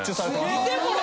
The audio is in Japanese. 見てこれ！